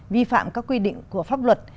vi phạm các quy định của pháp luật